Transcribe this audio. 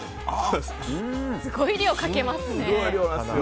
すごい量かけますね。